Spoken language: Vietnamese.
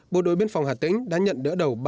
bộ đội biên phòng hà tĩnh đã nhận đỡ đầu